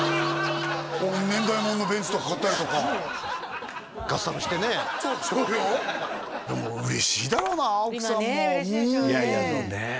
年代物のベンツとか買ったりとかカスタムしてねそうよでも嬉しいだろうな奥さんも今ね嬉しいでしょうね